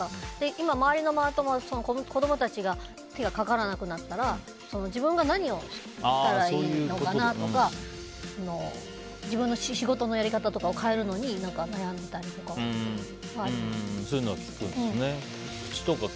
今、周りのママ友は子供たちが手がかからなくなったら自分が何をしたらいいのかなとか自分の仕事のやり方とかを変えるのにそういうのを聞くんですね。